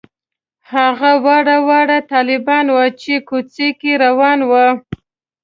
هغه واړه واړه طالبان وو چې کوڅه کې روان وو.